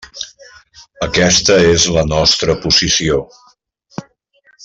Aquesta és la nostra posició.